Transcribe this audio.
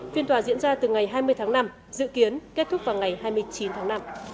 phiên tòa diễn ra từ ngày hai mươi tháng năm dự kiến kết thúc vào ngày hai mươi chín tháng năm